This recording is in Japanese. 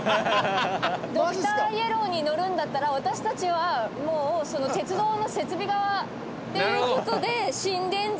ドクターイエローに乗るんだったら私たちはもう鉄道の設備側っていう事で心電図とか。